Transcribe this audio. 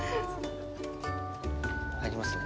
入りますね。